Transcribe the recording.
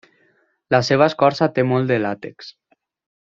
La seva escorça té molt de làtex.